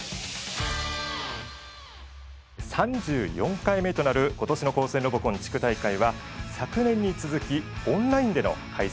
３４回目となる今年の「高専ロボコン」地区大会は昨年に続きオンラインでの開催となりました。